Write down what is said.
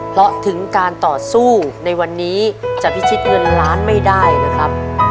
เพราะถึงการต่อสู้ในวันนี้จะพิชิตเงินล้านไม่ได้นะครับ